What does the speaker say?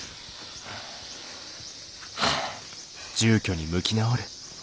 はあ。